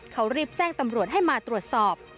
เขารีบแจ้งตำรวจให้มาตรวจสอบ